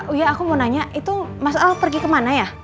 oh iya aku mau nanya itu mas al pergi kemana ya